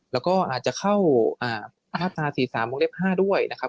แล้วก็อาจจะเข้าภาษา๔๓ม๕ด้วยนะครับ